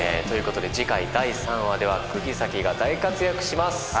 ということで次回第３話では釘崎が大活躍します。